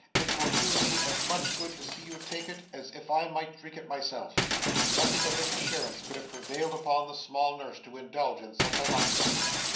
It will do me as much good to see you take it as if I might drink it myself.' Nothing but this assurance could have prevailed upon the small nurse to indulge in such a luxury.